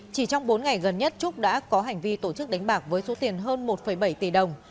chỉ trong bốn ngày gần nhất trúc đã có hành vi tổ chức đánh bạc với số tiền hơn một bảy tỷ đồng